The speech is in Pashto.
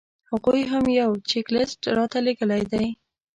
هغوی هم یو چیک لیست راته رالېږلی دی.